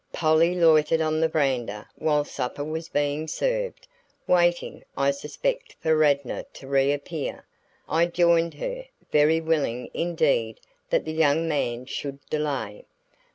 Polly loitered on the veranda while supper was being served, waiting, I suspect for Radnor to reappear. I joined her, very willing indeed that the young man should delay.